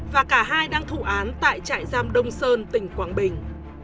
và cả hai đang thụ án tại trại giam đông sơn tỉnh quảng bình